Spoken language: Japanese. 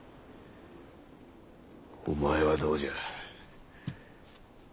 お前はどうじゃ？